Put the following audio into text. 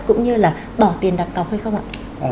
cũng như là bỏ tiền đặt cọc hay không ạ